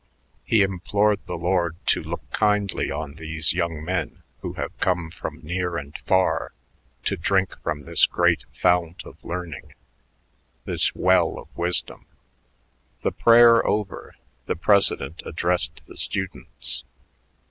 He implored the Lord to look kindly "on these young men who have come from near and far to drink from this great fount of learning, this well of wisdom." The prayer over, the president addressed the students.